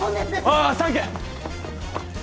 ああサンキュー。